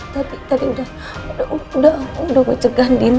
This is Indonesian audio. tadi tadi udah udah aku udah mau cegahin